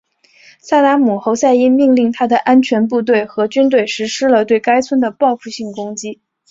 萨达姆侯赛因命令他的安全部队和军队实施了对该村的报复性攻击。